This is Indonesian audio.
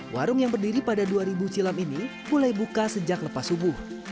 warung yang berdiri pada dua ribu silam ini mulai buka sejak lepas subuh